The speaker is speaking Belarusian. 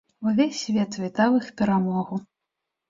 Увесь свет вітаў іх перамогу.